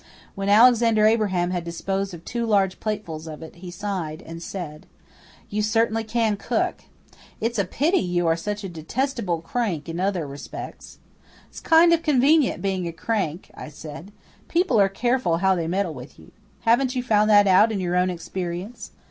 When Alexander Abraham had disposed of two large platefuls of it, he sighed and said, "You can certainly cook. It's a pity you are such a detestable crank in other respects." "It's kind of convenient being a crank," I said. "People are careful how they meddle with you. Haven't you found that out in your own experience?"